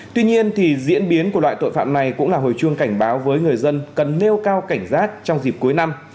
tuy nhiên diễn biến của loại tội phạm này cũng là hồi chuông cảnh báo với người dân cần nêu cao cảnh giác trong dịp cuối năm